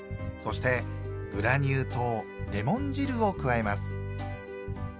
そしてグラニュー糖レモン汁を加えます。